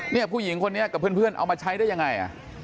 ผู้หญิงคนนี้กับเพื่อนเอามาใช้ได้ยังไง